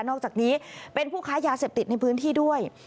อกจากนี้เป็นผู้ค้ายาเสพติดในพื้นที่ด้วย